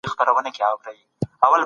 موږ ټول د آدم اولاد یو.